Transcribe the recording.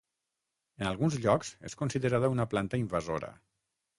En alguns llocs és considerada una planta invasora.